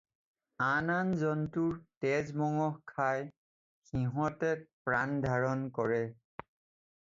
আন আন জন্তুৰ তেজ মঙহ খাই সিহঁতে প্ৰাণ ধাৰণ কৰে।